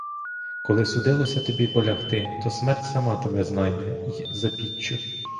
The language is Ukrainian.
Коли судилося тобі полягти, то смерть сама тебе знайде й за піччю.